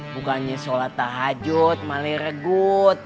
bukannya sholat tahajud maleregut